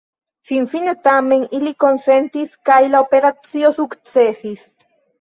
Finfine tamen ili konsentis, kaj la operacio sukcesis.